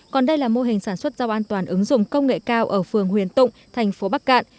còn đây là mô hình sản xuất rau an toàn ứng dụng công nghệ cao ở phường huyền tụng thành phố bắc cạn